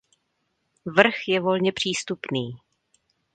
Vrch je volně přístupný.